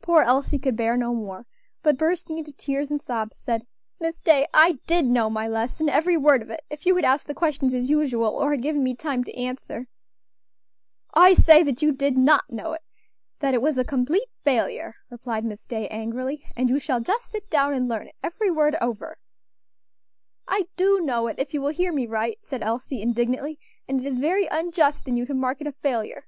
Poor Elsie could bear no more, but bursting into tears and sobs, said: "Miss Day, I did know my lesson, every word of it, if you had asked the questions as usual, or had given me time to answer." "I say that you did not know it; that it was a complete failure," replied Miss Day, angrily; "and you shall just sit down and learn it, every word, over." "I do know it, if you will hear me right," said Elsie, indignantly, "and it is very unjust in you to mark it a failure."